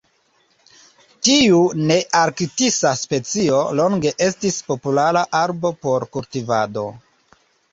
Tiu nearktisa specio longe estis populara arbo por kultivado.